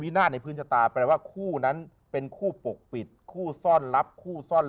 นาฏในพื้นชะตาแปลว่าคู่นั้นเป็นคู่ปกปิดคู่ซ่อนรับคู่ซ่อน